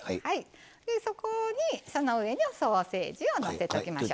そこにその上にソーセージをのせときましょう。